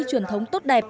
truyền thống tốt đẹp